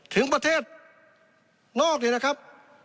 ถึงประเทศนอกเนี่ยนะครับ